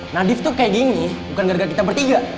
nadif tuh kayak gini bukan gara gara kita bertiga